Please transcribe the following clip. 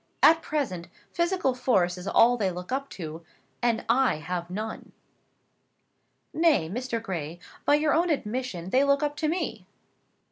At present physical force is all they look up to; and I have none." "Nay, Mr. Gray, by your own admission, they look up to me."